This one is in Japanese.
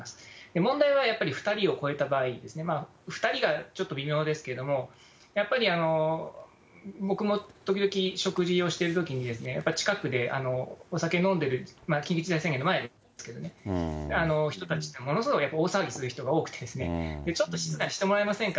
問題はやっぱり２人を超えた場合ですね、２人はちょっと微妙ですけれども、やっぱり、僕も時々食事をしてるときにですね、やっぱり近くでお酒飲んでる、緊急事態宣言の前ですけどね、人たちってものすごい大騒ぎする人が多くてですね、ちょっと静かにしてもらえませんか？